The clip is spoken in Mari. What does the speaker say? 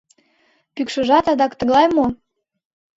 Пӱкшыжат, адак, тыглай мо?